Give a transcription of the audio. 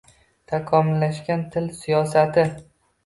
Takomillashgan til siyosati